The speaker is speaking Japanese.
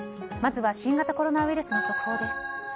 まずは新型コロナウイルスの速報です。